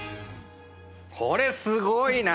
これすごいな！